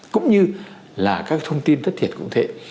cũng như là các thông tin thất thiệt cũng thế